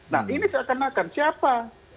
nah ini seakan akan siapa